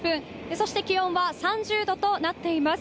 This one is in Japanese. そして気温は３０度となっています。